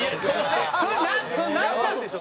それなんなんでしょう？